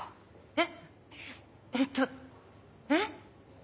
えっ⁉えっとえっ？